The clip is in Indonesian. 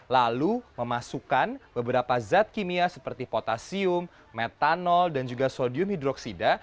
lalu memasukkan beberapa zat kimia seperti potasium metanol dan juga sodium hidroksida